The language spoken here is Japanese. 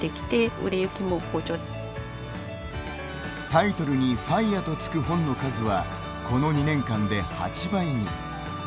タイトルにＦＩＲＥと付く本の数は、この２年間で８倍に。